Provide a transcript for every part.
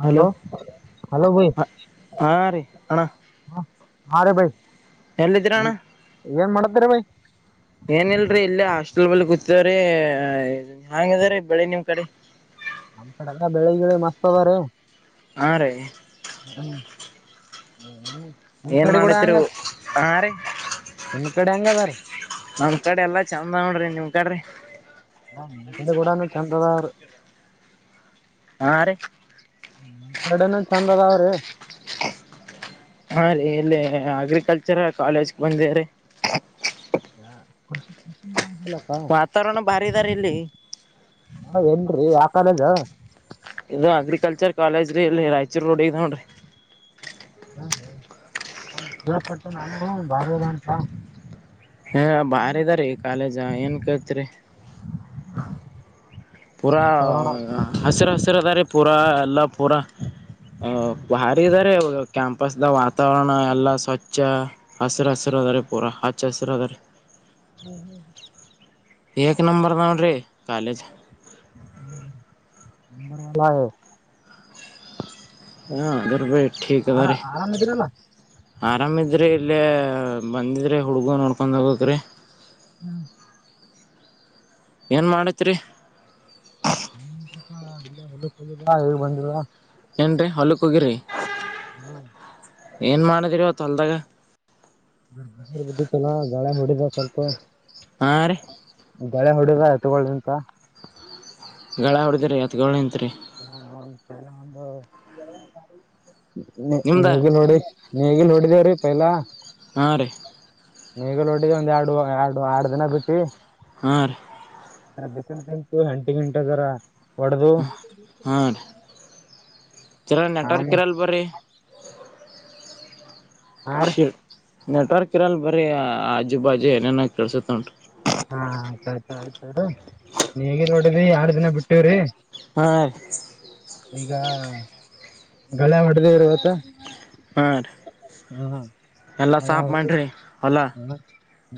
Hello hello ಭೈ ಹಾ ರೀ ಹ್ಹ ಹಾ ರೇ ಭೈ. ಎಲ್ಲಿದ್ರ ಅಣ್ಣ ಬೈ ಏನಿಲ್ರಿ ಇಲ್ಲೇ ಹಾಸ್ಟೆಲ್ ಬಲ್ಲಿ ಕುತ್ [unintelligible] ಹಾಂಗ ಅದ್ರೀ ಬೆಳಿಗ್ಗೆ ಬೆಳಿಗ್ಗೆ. ನಮ್ಮ್ ಕಡೆ ಎಲ್ಲ ಬೆಳೆ ಮಸ್ತ್ ಅದವ್ರಿ. ಹಾ ರೀ [unintelligible] ಏನ್ ಕಡೆ ಕೂಡ ಮಾಡತ್ತೀರಿ ಹಂಗ ಹೋ ನಿಮ್ ಕಡೆ ಹೆಂಗ ಅದ ರೀ ನಮ್ [unintelligible] ನಿಮ್ ಕಡೆ ಎಲ್ಲಾ ಚಂದ್ ಅವ್ರಿ [unintelligible] ಹ ನಮ್ಮ ಕಡೆ ಕೂಡನು ಚೆಂದ ಅದಾವ್ರಿ ಹಾ ರೀ ಕಡೆನ ಚೆಂದ ಅದಾವ್ರೀ. ಹಾ ರೀ ಇಲ್ಲಿ ಅಗ್ರಿಕಲ್ಚರ್ ಕಾಲೇಜ್ಗ ಬಂದಿವ್ರಿ. [unintelligible] ವಾತಾವರಣ ಬಾರಿ ಇದಾರಿ [unintelligible] ಇಲ್ಲಿ [unintelligible] [unintelligible] ಇದು ಅಗ್ರಿಕಲ್ಚರ್ ಕಾಲೇಜ್ ರೀ ಇಲ್ಲಿ ರಾಯಚೂರು ರೋಡಿಗೆ [unintelligible] [unintelligible] [unintelligible] ಅಂತ ಹಾ ಬಾರಿ ಅದರಿ ಕಾಲೇಜ ಏನ್ ಕೇಳ್ತ್ರಿ. ಪೂರಾ ವಾತಾವರಣ ಹಸಿರು ಹಸಿರದಾವ್ರಿ ಪೂರಾ ಎಲ್ಲ ಪೂರ. ಹ ಹಾದಿ ಅದಾರಿ ಅದು ಕೇಟ್ ಕ್ಯಾಂಪಸದ ವಾತಾವರಣ ಎಲ್ಲ ಸ್ವಚ್ಛ ಹಸಿರ ಹಸಿರ ಅದರ ಪೂರಾ ಹಚ್ಚ ಹಸಿರ ಅದಾರಿ [inaudible] ಏಕ್ ನಂಬರ್ ನೋಡ್ರಿ ಕಾಲೇಜ್. [inaudible] ಆರ [unintelligible] ಆರಾಮಿದಿರಲ್ಲ ಆರಾಮಿದ್ರಿ ಇಲ್ಲೇ ಬಂದಿದ್ರೆ ಹುಡುಗ ನೋಡ್ಕೊಂಡ ಹೋಗಕ್ರೆ ಹ್ಮ್ ಏನು ಮಾಡತ್ರಿ ಹ್ಮ ಪಾ ಇಲ್ಲ ಹೊಲ್ಲ ಹೋಗಿದಾ ಹೇಗ್ ಬಂದದ ನೋಡ ಏನ್ ರಿ ಹೋಲುಕ್ಕ ಹೋಗಿರಿ ಏನ್ ಮಾಡಿದಿರಿ ಇತ್ತು ಹೊಲ್ದಾಗ ಬಿದ್ದಿತ್ತಲ ಗಳೆ ಹೊಡಿದ ಸ್ವಲ್ಪ ಹಾ ರೀ ಗಳೆ ಹೋಡೇದ ಎತ್ತುವಿಂದ ಗಳೇ ಹೊಡದ್ರಿ ಎತ್ತುಗಳಿಂತತ್ರಿ [unintelligible] ನಿಮ್ದ ನೇಗಿಲ ಹೋಡಿದೇವ್ರೀ ಪೈಲಾ ಹಾ ರೀ ನೇಗಿಲ ಹೊಡ್ಡಿದ್ದ ಒಂದ್ ಎರಡು ಎರಡು ಆರ್ಡ್ ವಾರ್ ದಿನ ಬಿಟ್ಟಿ ಆ [unintelligible] ಹ ಜರಾ ಆಮ ನೆಟ್ವರ್ಕ್ ಇರಲೀ ಬರೀ ಹಾ ರೀ ನೆಟ್ವರ್ಕ್ ಇರಲ್ ಬರೀ ಆಜು ಬಾಜು ಏನೇನ ಕೆಲ್ಸತ್ ನೋಡ್ರಿ ಹಾ ಆಯ್ತಾಯಯ್ತ ಆಯ್ತ ನೇಗಿಲ ಹೋಡಿದಿ ಎರಡ್ ದಿನ ಬಿಟ್ಟಿವ್ರಿ ಹಾ ಈಗ ಗಳೇ ಹೊಡದೇವ ಇವತ್ತ ಹಾರೀ ಹ್ಮ್ ಹ್ಮ ಎಲ್ಲ ಸಾಪ್ ಮಾಡ್ರರಿ ಹೊಲಾ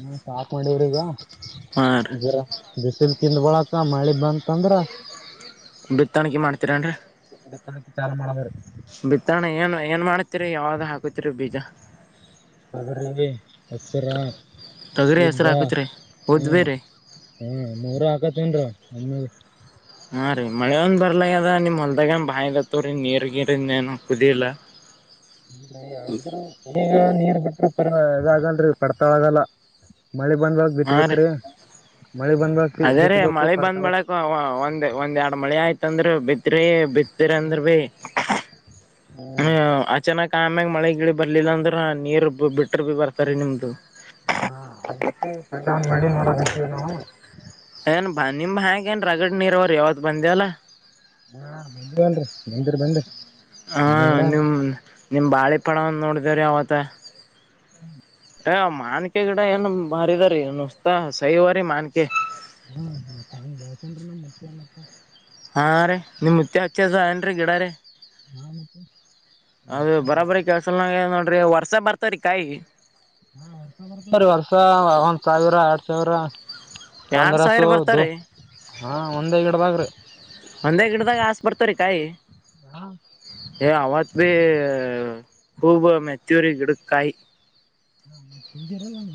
ಹಾ ಸಾಕ್ ಮಾಡಿವ್ರಿ ಹಾ ರೀ ಈಗ ಬಿಸಿಲ್ ತಿಂದ ಳಾಕ ಮಳಿ ಬಂತಂದ್ರ ಬಿತ್ತಾಣಕಿ ಮಾಡ್ತೀರೇನ್ ರೀ ಬಿತ್ತನೆ ಚಾಲೂ ಮಾಡೋದರಿ ಬಿತ್ತಣ ಏನ್ ಏನ್ ಮಾಡತಿರಿ ಯಾವ್ದ ಹಾಕತಿರಿ ಬೀಜಾ ತೊಗರಿ, ಹೆಸರಾ, ತೊಗರಿ ಹೆಸರು ಉದ್ದಾ ಹಾಕತ್ರಿ ಹ್ಮ ಉದ್ಬೇರಿ ಹ್ಮ ಮೂರ ಹಾಕತ್ತನ್ರ ಹಮ್ಮ ಹಾ ರೀ ಮಳೆ ಒಂದ್ ಬರ್ಲ ಅದ ನಿಮ್ ಹೊಲ್ದಾಗ ಬಾವಿಅದತ್ತೋರಿ ನೀರ್ಗಿರಿ ಏನ್ ಕುದಿಲ್ಲ ನೀರ್ ಬಿಟ್ರರು ಪ ಇದಾಗಲ್ರರಿ ಪಡ್ತಾಳಗಲ್ಲ ಮಳಿ ಬಂದ್ಬಳಕ್ ಹಾ ರೀ ಬಿತ್ತಬೇಕ್ರೀ ಅದೇ ರೀ ಮಳೆ ಬಂದ್ಬಳಕ್ ಒಂದ್ ಒಂದ್ ಎರಡ್ ಮಳಿ ಆಯ್ತಂದ್ರ ಬಿತ್ರಿ ಬಿತ್ ಬಿತ್ತಿದ್ಅಂದ್ರು ಬಿ ಅಚಾನಕ ಆಮ್ಯಾಗ ಮಳೆ ಗಿಳಿ ಬರ್ಲಿಲ್ಲ ಅಂದ್ರೆ ನೀರ್ ಬಿಟ್ರ ಭಿ ಬರ್ತಾರ ನಿಮ್ದು [unintelligible] ಏನ್ ಬಂದ ನಿಮ ಹೇಏನ್ ರಗಡ್ ನೀರ ಅವ್ರ ಯಾವತ್ ಬಂದ್ಯಲ್ಲ ಹಾ ಬಂದಿ ಬನ್ರಿ ಬಂದಿರಿ ಬನ್ರಿ ಹಾಂ ನಿಮ್ಮ ನಿಮ್ಮ ಬಾಳೆ ಪಠಾವನ್ನು ನೋಡಿದೇವ ರೀ ಅವತ್ತ ಹ್ಮ್ ಅ ಮಾನ್ಕೆ ಗಿಡ ಏನು ಮಾರಿದಾರಸ್ತಾ ಸಹಿವರಿ ಮಾನ್ಕೆ [unintelligible] [inaudible] ಹಾ ರೀ ನಿಮ್ ಮುತ್ತ್ಯಾ ಹಚ್ಚಸ ಏನ್ರೀ ಗಿಡ ರೀ ಹಾ ಮತ್ತೆ ಅದು ಹಾ ಬಾ ಬರಬರಿ ಕೆಳ್ಸ ನೋಡಿ ವರ್ಷ ಬರ್ತನ ರೀ ಕಾಯಿ ರಿ ವರ್ಷ ಒಂದ್ ಸಾವಿರ ಎರಡ್ ಸಾವಿರಾ ಎರಡ್ ಸಾವಿರ ಪಂದ್ರಸೊ ದ ಬರ್ತಾರಿ ಹಾ ಒಂದೇ ಗಿಡದಾಗರೀ ಒಂದೇ ಗಿಡದಾಗ ಹಸೆ ಬರ್ತವ ರೀ ಕಾಯಿ ಹಾ ಏ ಅವಾಜ ಭೀ ಬ ಮೆತ್ತೂರಿ ಗಿಡುಕಾಯಿ ಹಾ ಸಿಧಿರಲ್ಲಾನ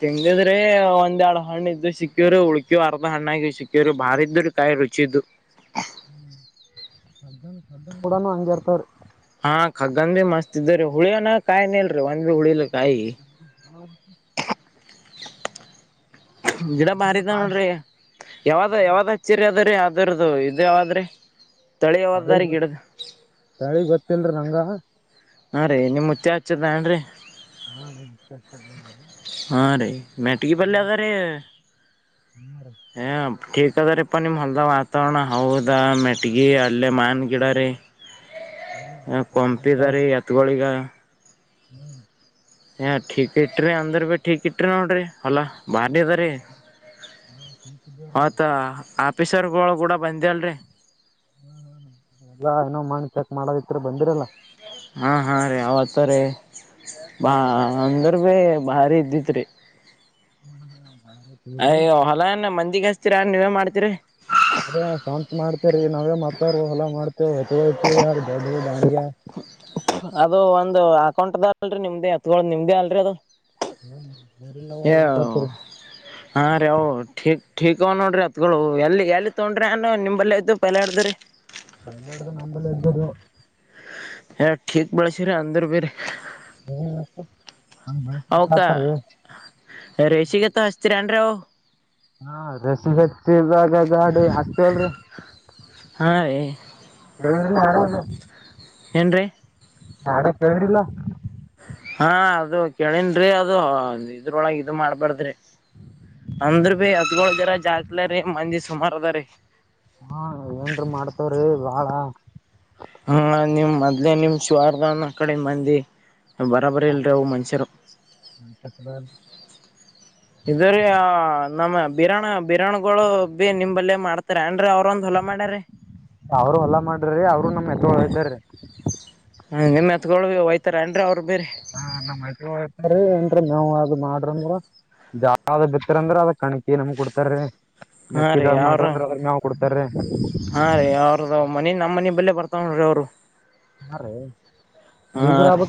ತಿಂದಿದ್ರಿ ಒಂದ್ ಎರಡ್ ಹಣ್ಣ ಇದ್ದು ಸಿಕ್ಕ್ಯವರು ಉಳಕ್ಯವ ಅರ್ಧ ಹಣ್ಣಗ ಸಿಕ್ಕ್ಯವರು ಬಾರ ಇದು ಕಾಯಿ ರುಚಿದ್ದು ಹ್ಮ ಕೂಡ ಹಂಗೆರ್ತಾರೆ ಕಾಯ ನಲ್ಲ ರೀ ಒಂದುಂದ ಉಡಿಲ್ಲ ಕಾಯ ಗಿಡ ಬಾರಿ ಹಂಗೆ ಇದ ಬಾಳ್ ನೋಡ್ರಿ ಯಾವ್ದ ಯಾವ್ದ ಹಚ್ಚರಿ ಅದ ರೀ ದರದು ಇದಾವಾದ್ರೆ ತಳಿವ್ದಾರಿ ಗಿಡ್ದ ಹೇಳಲ್ರಂಗ ಹಾ ರೀ ನಿ ಮುುತ್ತೆ ಹಚ್ಚದಏನ್ ರೀ ಹಾ ನನ್ತ ಇದ್ದಿದ್ದಾರೆದು ಮೆಟಗೆ ಪಲೆದ ರ ಕ್ ಅದ ರೀ ಪಾ ನಿಮ್ ಹೊಲ್ದ ವಾತಾವರಣ ಹೌದಾ ಮೆಟ್ಗಿ ಅಲ್ಲೇ ಮಾನ್ ಗಿಡ ರೀ ಕಂಪಿ ದಾರಿ ಎತ್ಗಳಗ ಹ್ಮ್ ಏ ಠೀಕ್ ಇಟ್ಟ್ರರಿ ಅಂದ್ರೆ ಭೀ ಠೀಕ್ ಇಟ್ಟ್ರರಿ ನೋಡಿರಿ ಹೊಲ ಬಾರಿ ಅದ ರೀ ಹಾ ಚೀಸಲ್ಲಾರನ ಫಿಸಸರ್ ಕಳ ಕೂಡ ಬಂದೆ ಅಲ್ರಿ ಹ ಎಲ್ಲ ಏನೋ ಮಾಡಿ ಚೆಕ್ ಮಾಡದತ್ರ ಬಂದಿರಲ್ಲ ಹಾ ಹಾ ರೇ ಅವವತ ರೇ ಬಾ ಅಂದ ಭಾರಿ ಇದ್ದಿತ್ ರೀ ಅಯ್ಯ ಹೊಲಾನ ಮಂದಿಗ್ ಹಸ್ತೀರಾ ನೀವೇ ಮಾಡ್ತೀರಿ ಅದೇ ಸ್ವಂತ ಮಾಡ್ತೇವ ರೀ ನಾವೇ ಮತಾರ ಎಲ್ಲಾ ಮಾಡ್ತೇವ ಹೊತ್ಟ್ಟಿ ಯಾರ ದೊಡ್ ದಾಾಣಿಗೆ ಅದು ಒಂದು ಅಕೌಂಟ್ದ ಅಲ್ರಿ ನಿಮ್ದೇ ಹತ್ ನಿಮ್ದೇ ಅಲ್ರರಿ ಅದು ಬೋರಿಲ್ಲವರ್ ಅನ್ಕೋತೀರಿ ಹಾ ರವು ಟೀಕ್ ಅವ ನೋಡ್ರಿ ಹತ್ಗಳು ಎಲ್ಲಿ ಎಲ್ಲಿ ತೊಗೊಂಡ್ರಿ ಅ ನಿಂಬಲ್ಲ ಇದ್ದ ಪಲ್ಯಾಡ್ದ್ರಿ ನಿನ್ನಡದು ನಂಬಲೆ ಎಂದರ ಹ ಕ್ ಬೆಳಸರ ಅಂಧ್ರ ಬರೆ ಹತಾರೆ ರಶಿಕ ಎತ್ತ ಹಸ್ತಿರಂಡರಾವ ಹಾ ರಸ ಹಚ್ಚಾಗಾ ಹಚ ಹಾ ರೀ ಹ ಏನ್ ನಾಡ ಕೇಳ್ರಿಲ್ಲ ಹಾ ಅದು ಕೇಳನ್ಅದು ಇದ್ರೊಳಗೆ ಇ ಮಾಡ್ಬಾರ್ದ್ರಿ ಅಂದ್ರ ಬಿ ಹದಗೋಳ್ದರ ಜಾಗತ್ಲ ರೀ ಮಂಜಿ ಸುಮಾರು ಅದ ರೀ ಹಾ ಏನ್ ಮಾಡ್ತವ್ರೀ ಬಾಳ ಹ್ಮ ನಿಮ್ ಮದ್ಲೆೇ ನಿಮ್ ಶಿವಾರ್ಗನ್ ಕಡೆ ಮಂದಿ ಬರಾಬರಿ ಇಲ್ಲಿರವು ಮಂಚರು ಬಾಳ ನಮ್ಮ ಬಿರಾಣ ಬಿರಾಣುಗಳು ಬಿ ನಿಂಬಲ್ಲೇ ಮಾಡ್ತಾರ ಅ ಅವರುೂ ಎಲ್ಲ ಮಾಡ್ರೀ ಅವರು ನಮ್ಮ ಎತ್ತಳ ಇದ್ದಾರೀ ಹ ನಿಮ್ ಎತ್ ಒಯ್ತಾರ ಅನ್ ಅವ್ರು ಹಾ ನಮ್ಮ್ತ್ ಏನ್ರಿ ನಾವ್ ಮಾಡ್ರ ಅಂದ್ರ ಜಾವ ಬಿತ್ತರಿಂದ್ರ ಅದ ಕಣಕಿ ನಮ್ ಕೊಡ್ತಾರೀ ಹಾ ರೀ ಯಾವರು ಹಾ ರೀ ಅವ್ರದ ಮನಿ ನಮ್ಮನಿ ಬೆಲ್ಲ ಬ ಮಾತ್ರಿ ಅವರು ಯಾ ರೀ ಹಾ ರೀ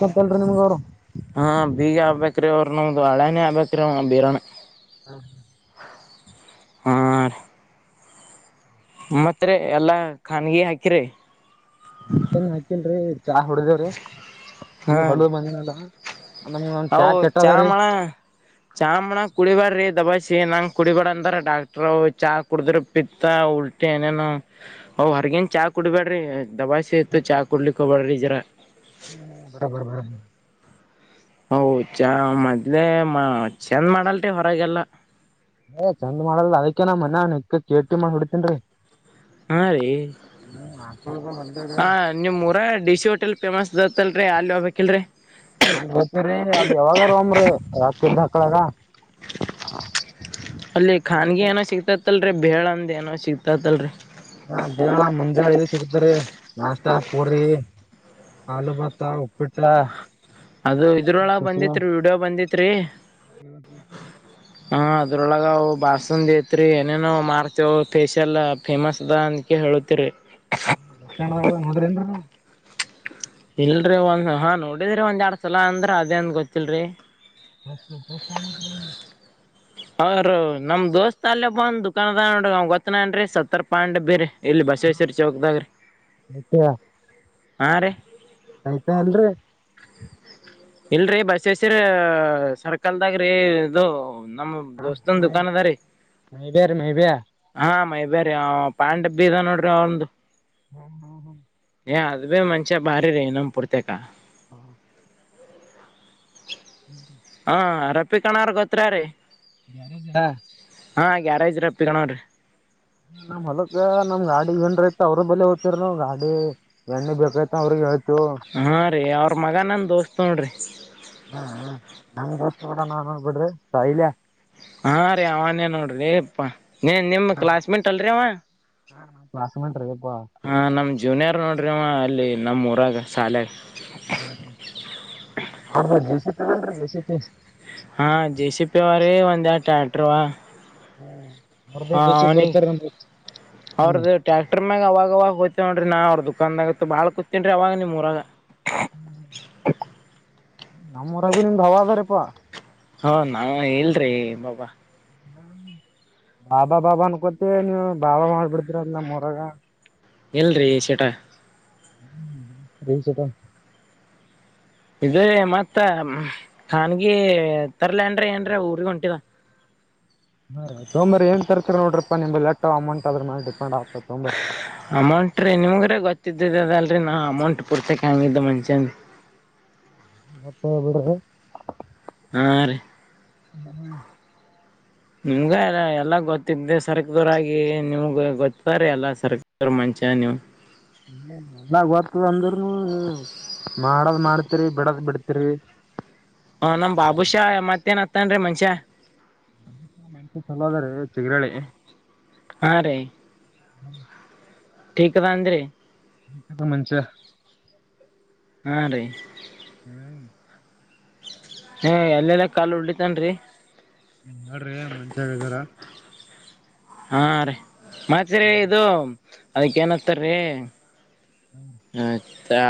ಹಾ ಬೀಗ ಆಗ್ಬೇಕ್ರೀ ಅವ್ರ ನ ಅ ಅಳನ ಅಭತ್ತರ ಅ ಬೀರ ಹಾ ಆ ಮತ್ತ ಎಲ್ಲಾ ಖನ್ಗಿ ಹಾಕಿರಿ ಏನ್ ಹಾಕಿಲ್ರಿ ಚಾ ಹೊಡ್ದೇವ್ರಿ ಇ ಹೊಲ ಬಂದಿನಡ ಹೌ ಚ ಮಾಡಳ ಚಾ ಮ್ಣ ಕುಡಿಬಾರ್ರಿ ದಬಸಿ ನಂಗೆ ಕುಡಿಬಾರ ಅಂದ್ರ ಡಾಕ್ಟ್್ರ ಚಾ ಕುಡಿದ್ರ ಪಿತ್ತ ಉಲ್ಟ ಮತ್ತೆ ಏನೇನು ಅವ್ ಹೊರ್ಗೇನ್ ಚಾ ಕುಡ್ಬೇಡ್ರಿ ದಾಬಾಸಿ ಸತ್ತು ಚಾ ಕುಡ್ಲಿಕ್ಕೆಬಳ್ರಿ ಜರಾ ಹೂ ಬರಬರ ಬರ ಅವು ಚಾ ಮೊದ್ಲೇ ಚಂದ ಮಾಡಲ್ಟೀ ಹೊರಗೆಲ್ಲ ಏ ಚಂದ್ ಮಾಡಲ್ ಅದಕೇನ ಮನ್ನ್ ಎ ಕೇಟಿ ಮಾಡ್ ಹೊಡಿತೇನ್ೀ ಹಾ ರೀ ಹಾ ನಿಮಮ್ಮ್ೂಊರ ಡಿ ಸಿ ಹೋಟೆಲ್ ಫೇಮಸ್ ಅತ್ತಲ್ರಿ ಅಲ್ ಹೋಗ್ಬೇಕಕಿಲ್ರರಿ ಹ ಗತ್ತೀ ಅದ್ ಯಾವಾಗಾರ ಒಮ್ರೀ ರಾತ್ದ್ದ ಹಕ್ಕಳಾಗ ಅಲ್ಲಿ ಖಾನಗಿ ಏನೋ ಸಿಗ್ತೈತ್ತಲ್ರರಿ ಬೇಳ್ ಅಂದ ಏನೋ ಸಿಗ್ತೈತ್ತಲ್ರರಿ ಹಾ ಬೇಳ ಮುಂಜಾಳೆ ಸಿಗ್ತರಿ ನಾಷ್ಟ ಪೂರಿ ಆಲು ಭಾತ ಉಪ್ಪಿಟ್ಟ ಅದು ಇದ್ರೊಳಗ ಬಂದಿತ್ೀ ವಿೀಡಿಯೋ ಬಂದಿತ್ೀ ಹೂ ಹೂ ಹ ಅದ್ರೊಳಗವು ಬಾಸಂದ್ ೇತ್ರಿ ಏನೇನು ಮಾರ್ತವ ಫೇೇಶಿಯಲ್ ಫೇಮಸ್ ಅದ ಅಕ ಹೇಳತೀರಿ ಹ ಬಸ್ ನೋಡ್ರಿ ಅಂದ್ರ ಇಲ್ರರಿ ಒಂದ್ ಹಾ ನೋಡಿದ್ರಿ ಒಂದ್ ಎರಡ್ ಸಲ ಅಂದ್ರ ಅದೇಂದ ಗೊತ್ತಿಲ್ರಿ ಸ್ಟ್ ಸ್ಟ್ ಹಂಗ ಅವ ರ ನಮ್ ದೋಸ್ತ್ ಅಲ್ಲೇ ಬಂದ್ ದುಕಾನದ ನೋಡ ಗೊತ್ತನನ್ೀ ಸತ್ತರ್ ಪಾಂಡೆ ಬೇರ ಇಲ್ಲಿ ಬಸವೇಶ್ವರ ಚೌಕ್ದಾಗ ರೀ ಹಾಂ ರೀ ಆಯ್ತಾ ಅಲ್ರರಿ ಇಲ್ರರಿ ಬಸಸರ ಸರ್ಕಲ್ದಾಗ್ರಿ ಇದು ನಮ್ಮ ದೋಸ್ತಂದು ಮೈ ದುಕಾನದಾರಿ ಮೈಬ್ಯಾರಿ ಮೈಬ್ಯಾ ಹಾ ಮ ಬೇ್ರೀ್ ಪ್ಯಾಂ್ ಬ್ಬ ಇದ ಬೀಗ ನೋಡ್ರಿ ಅವ್ರಂದು ಹೂ ಹೂ ಹೂ ಯ ಅದಬೇ ಮಂಚೆ ಬಾರಿ ರ ಇನ ಪುರ್ತ ಕ ಹಾ ಹ ಹಾ ರಪ್ಪಿ ಕಣ್ರ ಗೊತ್ರ ರೀ ಯಾರ ಹ ಹಾ ಗ್ಯಾರೇಜ್ ರಪ್ಪಿಕಣವ್ರೀ ನಮ್ ಹೊಲಕ್ಕ ನಮ್ ಗಾಡಿ ಏನ್ರ ಐತ ಅವ್ರ ಬೇಲೆ ಹೋಗ್ತ ನಾವು ಗಾಡಿ ಎಣ್ಣ ಬೇಕಾಯತ ಅವ್ರಿಗೆ ಹ ಹಾ ರೀ ಅವ್ರ ಮಗ ನನ್ ದೋಸ್ತ್ ನೋಡ್ರಿ ಹೂ ಹ ನಂಗ ದೋಸ್ ಕೂಡ ನಾನ್ ನೋ ಬಿಡ್ರಿ ಸೈಲ್ಯ ಹಾ ರೀ ಅವನೇ ನೋಡ್ರಿ ಪ್ಪಾ ನೀ ನಿಮ ಕ್ಲಾಸ್ ಮೇಟ್ ಅಲ್ರಿವ ಕ್ಲಾಸ್ಮೇಟ್ ರೀ ಯಪ್ಪಾ ಹ ನಾಮ್ ಜೂನಿಯರ್ ನೋಡ ಅಲ್ಲಿ ನಮ್ಮ್ೂಊರಾಗ ಶಾಲಾಗ ಹೂ ಅವರದು ಜೆಸಿಬಿ ಜೆಸಿಬಿ ಆದ ಅಲ್ಲ ಹಾ ಜೆ ಸಿ ಪಿ ವರ ಒಂದು ಎರೆಡು ಟ್ರ್ಯಾಕ್ಟರ್ವಾ ಹ ಅವ್ರ್ದೇ ಜೆಸಿಪಿ ಅವನ ಬರ್ತಾರ ನಮ್ ಹ್ಮ್ ಅವ್ರದು ಟ್ಯಾಕ್ಟರ್ ಮ್ಯಾಗ ಅವಾಗ ಆಾಗ ಹೋ್ೇವ ನೋನ್ಿ ನಾ ಅವ್ರರುದುಖಾದಾಗತ್ತು ಬಾಳ ಕುೂತೇನ್ೀ ಅವಾಗ ನಿಮೂಊರಾಗ ಹೂ ನಮ್ಮೂರಾಗು ನಿಂದು ಅವ ಅದಾರಪ್ಪ ಹಾ ನಾ ಹೇಳಲ್ರಿೀ ಬಾಬಾ ಹೂ ಬಾಬಾ ಬಾಬಾ ಅನ್ಕೋತಿ ನೀವು ಬಾಬಾ ಮಾಡ್ಬಿಡ್ತಿರ ಅದ ನಮ್ಮ ಹೊರಗ ಎಲ್ರರಿ ಶೇಠಾ ರೈನ್ಶೆಟ ಇ ಮತ್ತ ಖನ್ಗಿ ತರ್ಲಯನ್್ರ ಏನ್ರ ಊರ್ಗ ಹೊಂಟಿದ. ಹ ತೊಂಬರಿ ಏನ್ ತರ್ಸ ನೋಡ್ರಪ್ಪ ನಿಮ್ ಲೆಟ್ಟಟ್ ಅಮೌಂಟ್ ಆದ್ ಮಾಡಿ. ಅಮಟ್ರೆ ನಿಮಗೆ ಗ ಅದಲ್ರಿ ನಾ ಅಮೌಂಟ್ ಪೂರ್ಸಕ ಹಂಗಿದ್ದ ಮಂಷನ್. ಮಪ್ಪ ಬಡದು. ಆ ರೀ ಹ್ಮ ಹ್ಮ್ ನಿಮ್ಗ ಎಲ್ಲ ಗೊತ್ತಿದ್ದ ಸರಕದೋರಗಿ ನಿಮ್ಗ ಗೊತ್ತಾರ ಎಲ್ಲಾ ಸರಕದವ್ರ ಮಂ.. ಜನ್ವು ಲ್ಲ ವರ್ತು ಅಂದರು ನ ಮಾಡದ್ ಮಾಡತಿರಿ ಬಿಡದ್ ಬಿಡ್ತಿರಿ. ಹ ನಮ್ ಬಾಬುಷಾ ಮತ್ತೇನ್ ಹತ್ತನ್ೀ ಮನ್ಷ್ಯ. ಮ ಮಂಸ ಚಲೋ ಅದ್ರ ಚಿಗರಾಳಿ. ಹಾ ರೀ ಟಿಕ್ದ ಅಂದ್ರಿ. ಮಂಚ ಹಾ ರೀ ಹ್ಮ್ ಹ್ಮ ಎಲ್ಲೆಲ್ಲ ಕಾಲ್ ಉಳಿತನ್ರಿ. ನೀ ನೋಡ್ರಿ ಮಂಚಾಗ ಇದಾರ. ಹಾ ರೀ ಮತ್ರಿ ಇದು ಅದಕ್ಕ ಏನ್ತಾರೀ. ಹ್ಮ್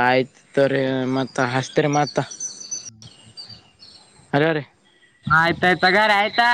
ಆಯ್ತ ತರಿ ಮತ್ತ ಹಸ್ತರಿ ಮಾತ್ತ. ಹ್ಮ್ ಅರೆ ಅರ ಆಯ್ತಾಯ್ತುಗಾರ ಆಯ್ತಾ.